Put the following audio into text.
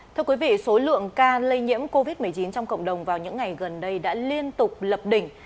thưa quý vị số lượng ca lây nhiễm covid một mươi chín trong cộng đồng vào những ngày gần đây đã liên tục lập đỉnh